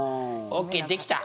オッケー出来た。